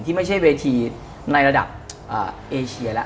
ไม่ใช่เวทีในระดับเอเชียแล้ว